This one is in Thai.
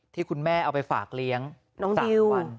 ที่คุณแม่เอาไปฝากเลี้ยง๓วัน